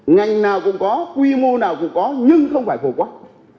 ngành nào cũng có quy mô nào cũng có nhưng không phải phổ quát